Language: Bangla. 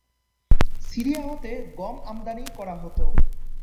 সিরিয়া হ’তে গম আমদানী করা হ’ত।